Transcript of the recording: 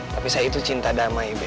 tapi saya itu cinta damai